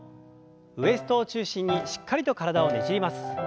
ウエストを中心にしっかりと体をねじります。